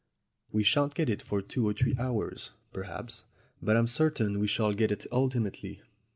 "We shan't get it for two or three hours, perhaps, but I'm certain we shall get it ultimately.